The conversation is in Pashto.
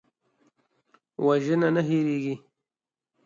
وژنه نه هېریږي